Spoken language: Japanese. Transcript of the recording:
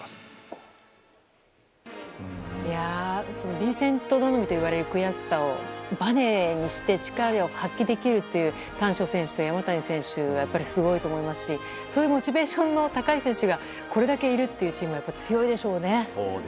ヴィンセント頼みといわれる悔しさをバネにして力を発揮できるという丹所選手と山谷選手がすごいと思いますしそういうモチベーションの高い選手がこれだけいるというチームは強いでしょうね。